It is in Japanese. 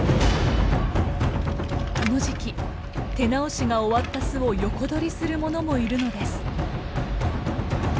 この時期手直しが終わった巣を横取りするものもいるのです。